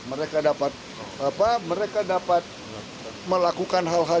mereka dapat melakukan hal hal yang baik